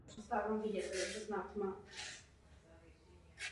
Sňatek Jindřicha s Kateřinou ztratil svoji diplomatickou hodnotu.